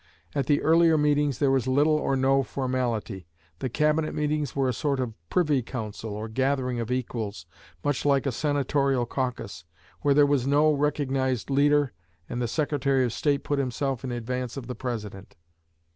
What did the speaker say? At the earlier meetings there was little or no formality; the Cabinet meetings were a sort of privy council or gathering of equals, much like a Senatorial caucus, where there was no recognized leader and the Secretary of State put himself in advance of the President.